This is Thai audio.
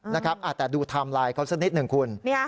นะครับแต่ดูไทม์ไลน์เขาสักนิดหนึ่งคุณ